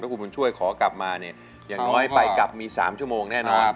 คุณบุญช่วยขอกลับมาเนี่ยอย่างน้อยไปกลับมี๓ชั่วโมงแน่นอน